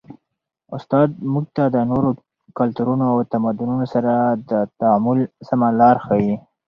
استاد موږ ته د نورو کلتورونو او تمدنونو سره د تعامل سمه لاره ښيي.